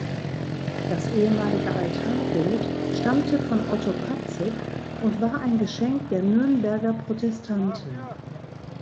Das ehemalige Altarbild stammte von Otto Patzig und war ein Geschenk der Nürnberger Protestanten.